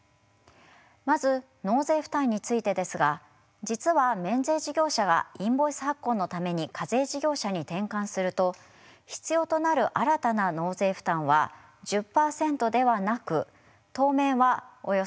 まず納税負担についてですが実は免税事業者がインボイス発行のために課税事業者に転換すると必要となる新たな納税負担は１０％ではなく当面はおよそ２％です。